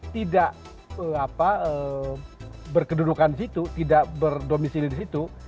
tidak berkedudukan di situ tidak berdomisili di situ